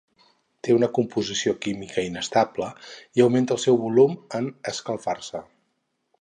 Té una composició química inestable, i augmenta el seu volum en escalfar-se.